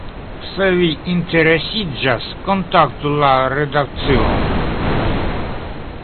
Se vi interesiĝas, kontaktu la redakcion!